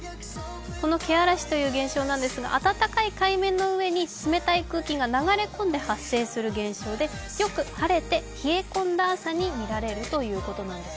その気嵐という現象なんですが、冷たい空気が流れ込んで発生する現象でよく晴れて冷え込んだ朝に見られるということです。